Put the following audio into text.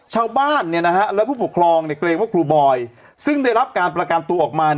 ชาวบ้านและผู้ปกครองเกรงว่าครูบอยซึ่งได้รับการประกันตัวออกมา